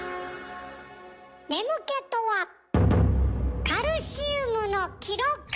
眠気とはカルシウムの記録。